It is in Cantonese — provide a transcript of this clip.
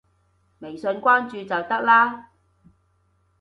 微信關注就得啦